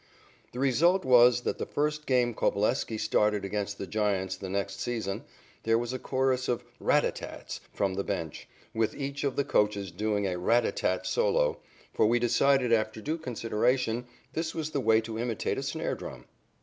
The result was that the first game Coveleski started against the Giants the next season, there was a chorus of "rat a tat tats" from the bench, with each of the coachers doing a "rat a tat tat" solo, for we decided, after due consideration, this was the way to imitate a snare drum.